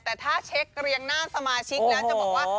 แต่ถ้าเช็คเรียงหน้าสมาชิกแล้วจะบอกว่า